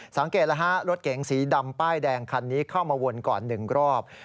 สังเกตแล้วฮะรถเก๋งสีดำป้ายแดงคันนี้เข้ามาวนก่อน๑รอบ